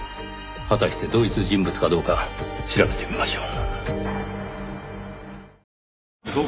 果たして同一人物かどうか調べてみましょう。